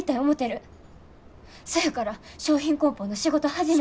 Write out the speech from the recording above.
そやから商品こん包の仕事始めて。